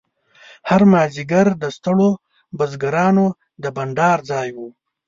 هر مازیګر د ستړو بزګرانو د بنډار ځای و.